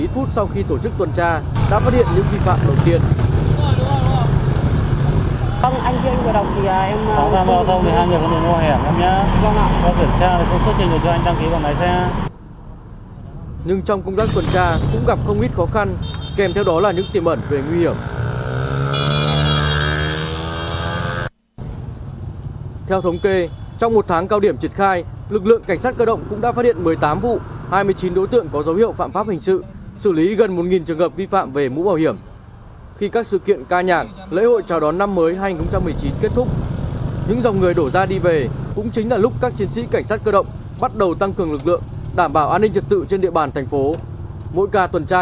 tuần tra để giữ vững bình yên đảm bảo an ninh tự cho người dân mỗi dịp lễ tết cũng như ngày thường